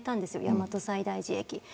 大和西大寺駅。